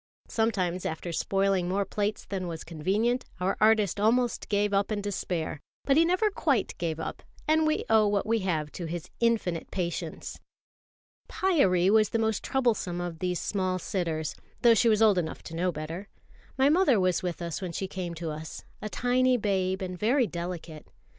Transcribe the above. Sometimes, after spoiling more plates than was convenient, our artist almost gave up in despair; but he never quite gave up, and we owe what we have to his infinite patience. Pyârie was the most troublesome of these small sitters, though she was old enough to know better. My mother was with us when she came to us, a tiny babe and very delicate.